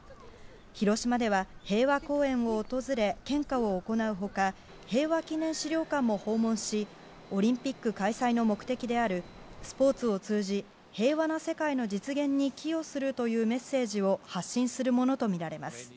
広島では、平和公園を訪れ献花を行う他平和記念資料館も訪問しオリンピック開催の目的であるスポーツを通じ平和な世界の実現に寄与するというメッセージを発信するものとみられます。